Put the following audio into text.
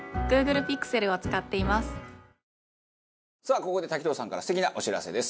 ここで滝藤さんから素敵なお知らせです。